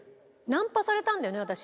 ナンパされたんだよね私。